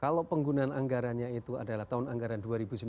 kalau penggunaan anggarannya itu adalah tahun anggaran dua ribu sembilan belas